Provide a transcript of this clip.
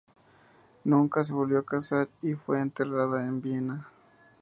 Nunca se volvió a casar y fue enterrada en Viena.